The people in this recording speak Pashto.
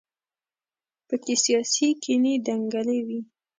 په کې سیاسي کینې دنګلې وي.